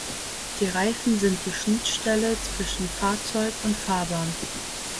Die Reifen sind die Schnittstelle zwischen Fahrzeug und Fahrbahn.